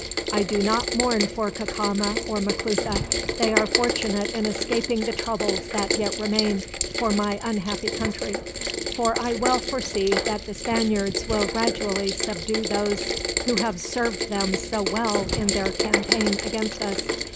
I do not mourn for Cacama or Maclutha. They are fortunate in escaping the troubles that yet remain, for my unhappy country; for I well foresee that the Spaniards will gradually subdue those who have served them so well in their campaign against us.